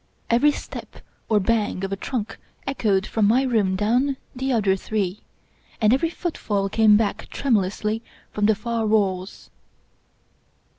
Every step or bang of a trunk echoed from my room down the other three, and every footfall came back tremulously from the far walls.